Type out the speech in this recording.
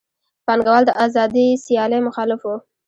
پانګوال د آزادې سیالۍ مخالف وو